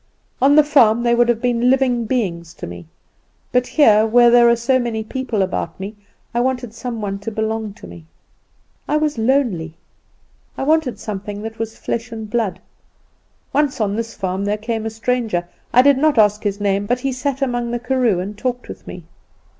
On the farm they would have been living beings to me; but here, where there were so many people about me, I wanted some one to belong to me. I was lonely. I wanted something that was flesh and blood. Once on this farm there came a stranger; I did not ask his name, but he sat among the karoo and talked with me.